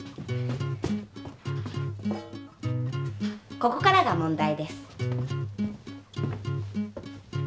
ここからが問題です。